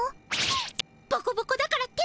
ボコボコだからってなんです！